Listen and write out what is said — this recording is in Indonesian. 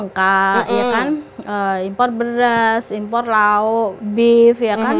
kita kan masih impor bengkak impor beras impor lauk beef ya kan